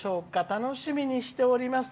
楽しみにしております」。